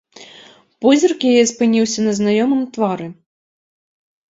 Позірк яе спыніўся на знаёмым твары.